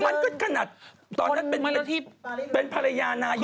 มันก็ขนาดตอนนั้นเป็นภรรยานายก